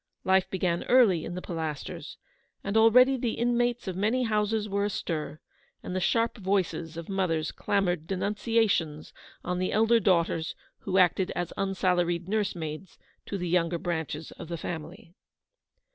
Life began early in the Pilasters, and already the inmates of many houses were astir, and the sharp voices of mothers clamoured denunciations on the elder daughters who acted as unsalaried nursemaids to the younger branches of the family.